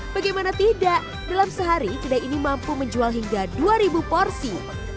bagaimana tidak dalam sehari kedai ini mampu menjual hingga dua ribu porsi